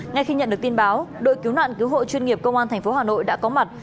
ngay khi nhận được tin báo đội cứu nạn cứu hộ chuyên nghiệp công an tp hà nội đã có mặt